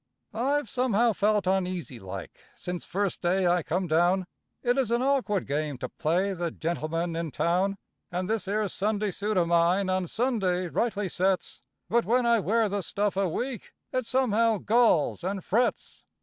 I've somehow felt uneasy like, since first day I come down; It is an awkward game to play the gentleman in town; And this 'ere Sunday suit of mine on Sunday rightly sets; But when I wear the stuff a week, it somehow galls and frets.